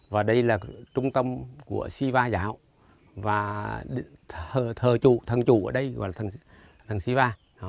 và đây là trung tâm của siva giáo và thần chủ ở đây là thần siva